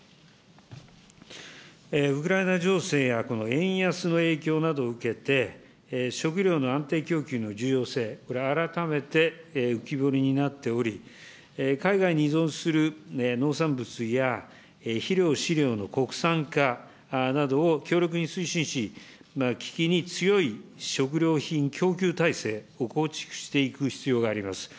ウクライナ情勢やこの円安の影響などを受けて、食料の安定供給の重要性、これ改めて、浮き彫りになっており、海外に依存する農産物や肥料、飼料の国産化などを強力に推進し、危機に強い食料品供給体制を構築していく必要があります。